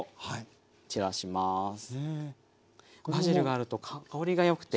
バジルがあると香りがよくて。